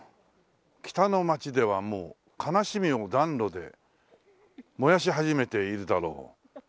「北の街ではもう悲しみを暖炉で燃やしはじめているだろう」